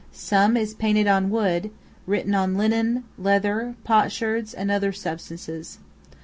Some is painted on wood, written on linen, leather, potsherds, and other substances.